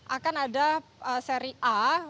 akan ada seri a